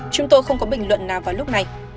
chúng tôi không có bình luận nào vào lúc này